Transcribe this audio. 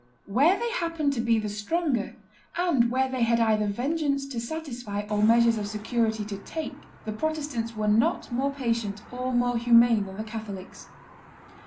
iii. p. 25.] Where they happened to be the stronger, and where they had either vengeance to satisfy or measures of security to take, the Protestants were not more patient or more humane than the Catholics.